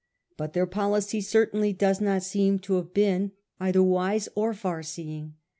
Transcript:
But their policy certainly does not seem to have been either wise or far seeing.